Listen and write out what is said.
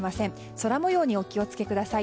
空模様にお気を付けください。